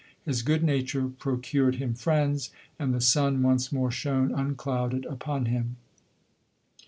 His good nature procured him friends, and the sun once more shone unclouded upon him.